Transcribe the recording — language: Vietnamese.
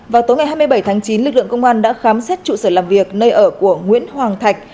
vào tối ngày hai mươi bảy tháng chín lực lượng công an đã khám xét trụ sở làm việc nơi ở của nguyễn hoàng thạch